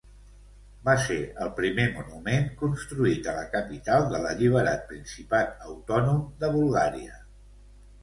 Va ser el primer monument construït a la capital de l'alliberat Principat autònom de Bulgària.